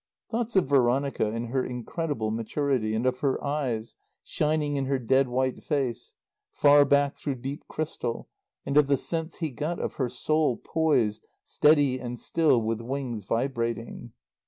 Thoughts of Veronica in her incredible maturity, and of her eyes, shining in her dead white face, far back through deep crystal, and of the sense he got of her soul poised, steady and still, with wings vibrating.